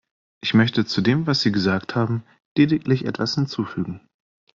Ich möchte zu dem, was Sie gesagt haben, lediglich etwas hinzufügen.